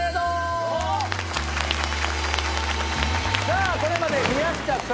さあこれまで。